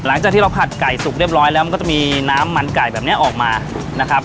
หลังจากที่เราผัดไก่สุกเรียบร้อยแล้วมันก็จะมีน้ำมันไก่แบบนี้ออกมานะครับ